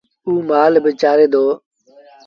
ائيٚݩ مآل با چآري دو